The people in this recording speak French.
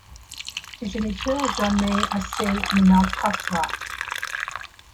Tes géniteurs jamais assez ne maltraiteras.